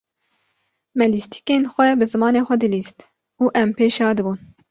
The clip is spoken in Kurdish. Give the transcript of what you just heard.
Me lîstîkên xwe bi zimanê xwe dilîst û em pê şa dibûn.